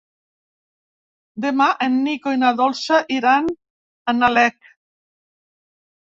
Demà en Nico i na Dolça iran a Nalec.